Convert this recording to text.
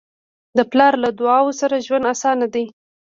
د پلار له دعاؤ سره ژوند اسانه دی.